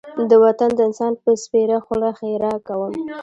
د وطن د انسان په سپېره خوله ښېرا کوم.